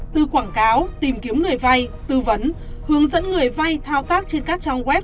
từ quảng cáo tìm kiếm người vay tư vấn hướng dẫn người vay thao tác trên các trang web